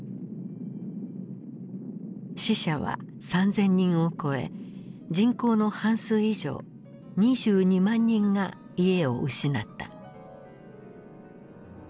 死者は３，０００人を超え人口の半数以上２２万人が家を失った。